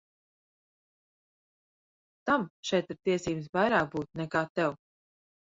Tam šeit ir tiesības vairāk būt nekā tev.